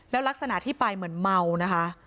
แล้วลักษณะที่ไปเหมือนเมานะคะ